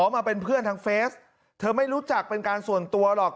มาเป็นเพื่อนทางเฟสเธอไม่รู้จักเป็นการส่วนตัวหรอก